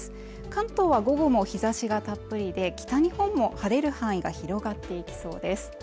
関東は午後も日差しがたっぷりで北日本も晴れる範囲が広がっていきそうです